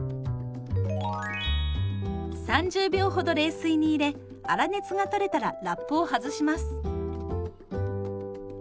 ３０秒ほど冷水に入れ粗熱がとれたらラップを外します。